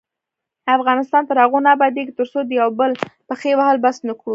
افغانستان تر هغو نه ابادیږي، ترڅو د یو بل پښې وهل بس نکړو.